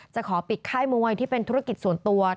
จะขอปิดค่ายมวยที่เป็นธุรกิจส่วนตัว